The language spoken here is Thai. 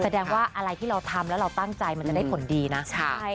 แสดงว่าอะไรที่เราทำแล้วเราตั้งใจมันจะได้ผลดีนะใช่